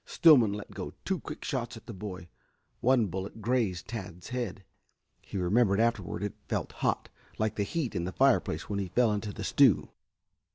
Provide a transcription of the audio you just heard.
Stillman let go two quick shots at the boy. One bullet grazed Tad's head. He remembered afterward that it felt hot, like the heat in the fireplace when he fell into the stew.